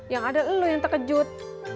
yang ada lu yang terkejut